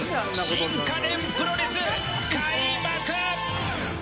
新家電プロレス、開幕！